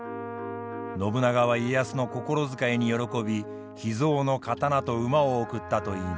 信長は家康の心遣いに喜び秘蔵の刀と馬を贈ったといいます。